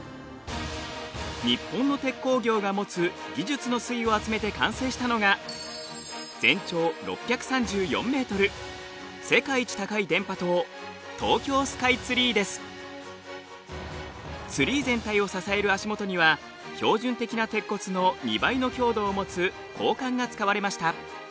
日本の鉄鋼業が持つ技術の粋を集めて完成したのが全長６３４ｍ世界一高い電波塔ツリー全体を支える足元には標準的な鉄骨の２倍の強度を持つ鋼管が使われました。